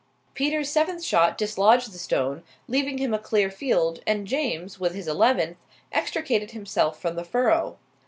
Peter's seventh shot dislodged the stone, leaving him a clear field, and James, with his eleventh, extricated himself from the furrow.